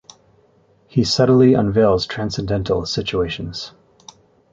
He subtly unveils transcendental situations.